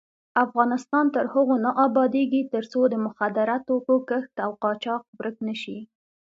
افغانستان تر هغو نه ابادیږي، ترڅو د مخدره توکو کښت او قاچاق ورک نشي.